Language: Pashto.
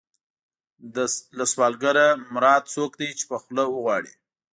له سوالګر نه مراد څوک دی چې په خوله وغواړي.